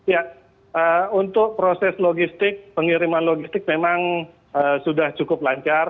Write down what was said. ya untuk proses logistik pengiriman logistik memang sudah cukup lancar